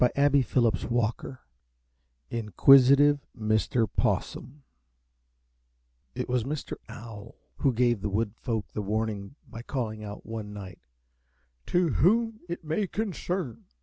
POSSUM [Illustration: Inquisitive Mr. Possum] It was Mr. Owl who gave the wood folk the warning by calling out one night, "To whom it may concern!"